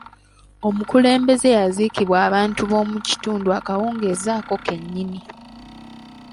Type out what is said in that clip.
Omukulembeze yaziikibwa abantu b'omu kitundu akawungeezi ako ke nnyini.